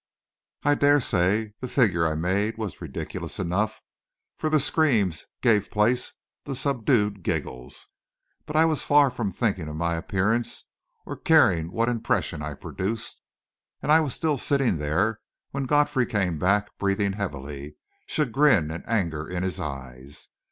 I dare say the figure I made was ridiculous enough, for the screams gave place to subdued giggles; but I was far from thinking of my appearance, or of caring what impression I produced. And I was still sitting there when Godfrey came back, breathing heavily, chagrin and anger in his eyes.